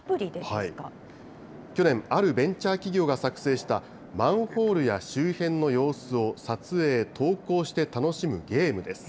去年、あるベンチャー企業が作成した、マンホールや周辺の様子を撮影・投稿して楽しむゲームです。